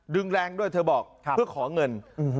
แรงด้วยเธอบอกเพื่อขอเงิน